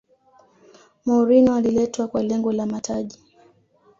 mourinho aliletwa kwa lengo la mataji